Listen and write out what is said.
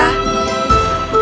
terima kasih santa